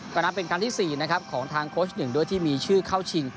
ก็นั้นเป็นการที่๔ของทางโค้ชหนึ่งด้วยที่มีชื่อเข้าชิง